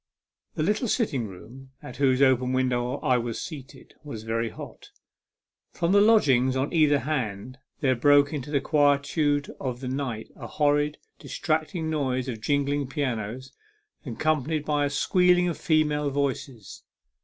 THE little sitting room, at whose open window I was seated, was very hot; from the lodgings on either hand there broke into the quie tude of the night a horrid, distracting noise of jingling pianos, accompanied by a squealing of female voices.